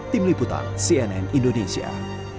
tim liputan cnn indonesia